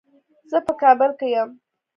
زه په کابل کې یم.